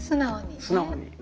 素直にね。